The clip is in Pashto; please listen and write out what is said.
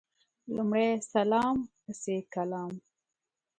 لمړی سلام پسي کلام